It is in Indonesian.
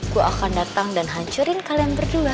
gue akan datang dan hancurin kalian berdua